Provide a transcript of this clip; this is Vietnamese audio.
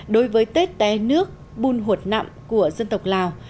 đối với tết té nước bùn hột nặng của dân tộc lào